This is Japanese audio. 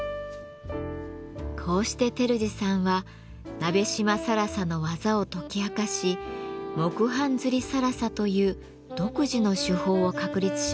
こうして照次さんは鍋島更紗の技を解き明かし「木版摺更紗」という独自の手法を確立します。